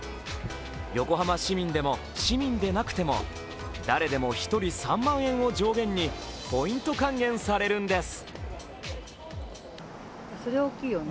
横浜市民でも市民でなくても誰でも１人３万円を上限にポイント還元されるんです。